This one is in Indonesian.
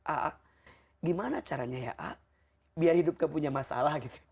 a gimana caranya ya a biar hidup gak punya masalah gitu